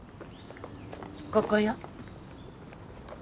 ここよ。